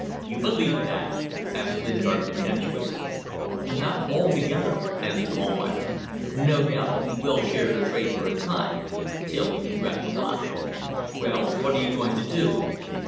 "You believe that?" asked Lingard, contemptuously. "Not altogether," answered Almayer. "No doubt we will share the trade for a time till he can grab the lot. Well, what are you going to do?"